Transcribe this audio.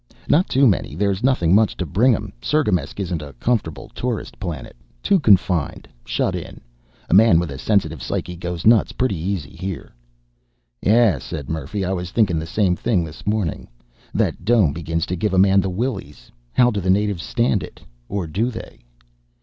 "Not too many there's nothing much to bring 'em. Cirgamesç isn't a comfortable tourist planet. Too confined, shut in. A man with a sensitive psyche goes nuts pretty easy here." "Yeah," said Murphy. "I was thinking the same thing this morning. That dome begins to give a man the willies. How do the natives stand it? Or do they?"